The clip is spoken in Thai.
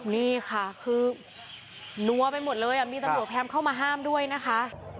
นี่ค่ะคือนัวไปหมดเลยมีตำรวจพยายามเข้ามาห้ามด้วยนะคะ